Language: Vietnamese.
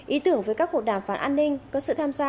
ý tưởng với các cuộc đàm phán an ninh có sự tham gia